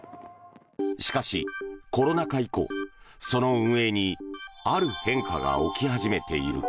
しかし、コロナ禍以降その運営にある変化が起き始めている。